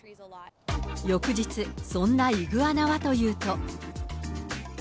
翌日、そんなイグアナはというと。